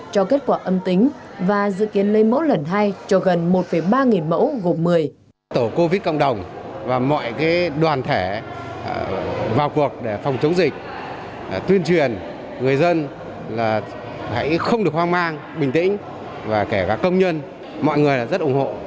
cho kết quả âm tính và dự kiến phòng chống dịch